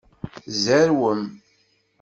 Tzerwem.